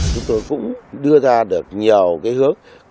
chúng tôi cũng đưa ra được nhiều cái hước